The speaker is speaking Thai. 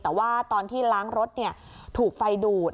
แต่ว่าตอนที่ล้างรถถูกไฟดูด